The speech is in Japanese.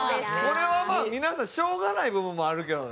これはまあ皆さんしょうがない部分もあるけどな。